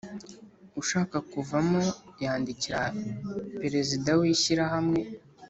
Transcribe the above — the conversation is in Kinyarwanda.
ushaka kuvamo yandikira Perezida w ishyirahamwe